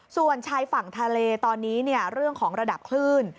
ส่วนชายฝั่งทะเลตอนนี้เรื่องของระดับคลื่น